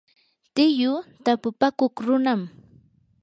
tiyuu tapupakuq runam.